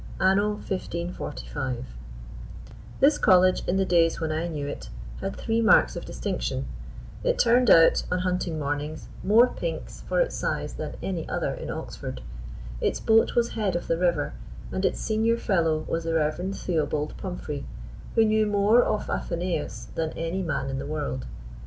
Anno 1545._" This college, in the days when I knew it, had three marks of distinction: It turned out, on hunting mornings, more "pinks" for its size than any other in Oxford; its boat was head of the river; and its Senior Fellow was the Rev. Theobald Pumfrey, who knew more of Athenaeus than any man in the world.